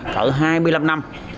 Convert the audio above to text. khoảng hai mươi năm năm